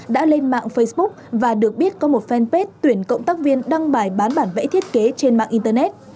đã lên mạng facebook và được biết có một fanpage tuyển cộng tác viên đăng bài bán bản vẽ thiết kế trên mạng internet